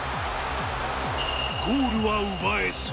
ゴールは奪えず。